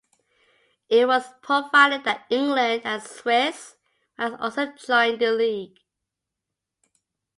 It was provided that England and the Swiss might also join the league.